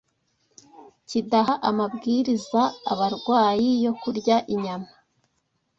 kidaha amabwiriza abarwayi yo kurya inyama